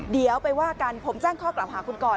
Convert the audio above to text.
เดี๋ยวไปว่ากันผมแจ้งข้อกล่าวหาคุณก่อน